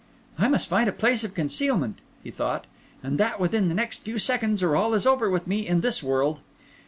"I must find a place of concealment," he thought, "and that within the next few seconds, or all is over with me in this world."